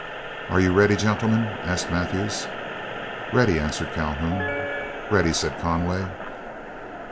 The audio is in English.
"Are you ready, gentlemen?" asked Mathews. "Ready!" answered Calhoun. "Ready!" said Conway.